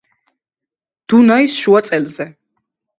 დუნაის შუა წელზე.